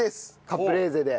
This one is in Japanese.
カプレーゼで。